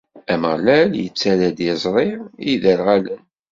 Ameɣlal ittarra-d iẓri i yiderɣalen.